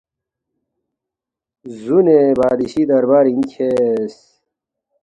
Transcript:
زُونے بادشی دربارِنگ کھیرس